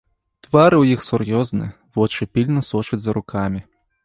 Твары ў іх сур'ёзныя, вочы пільна сочаць за рукамі.